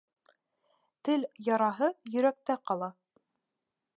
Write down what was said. Тел яраһы йөрәктә ҡала.